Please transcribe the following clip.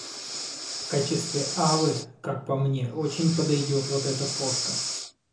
В качестве авы, как по мне, очень подойдёт вот эта фотка.